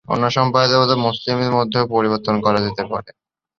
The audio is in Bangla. অন্যান্য সম্প্রদায়ের মতো মুসলিমদের মধ্যেও পরিবর্তন করা যেতে পারে।